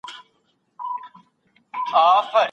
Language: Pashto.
ذهني ازادي په بازار کي نه پلورل کیږي.